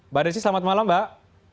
mbak desi selamat malam mbak